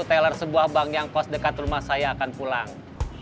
retailer sebuah bank yang kos dekat rumah saya akan pulang